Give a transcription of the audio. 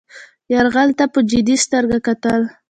یرغل ته په جدي سترګه کتل.